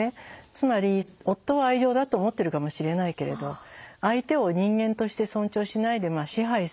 つまり夫は愛情だと思ってるかもしれないけれど相手を人間として尊重しないで支配する。